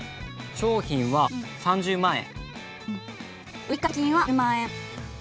商品は３０万円。